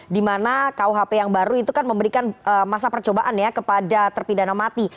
dimana kuhp yang baru itu kan memberikan masa percobaan ya kepada terpidana mati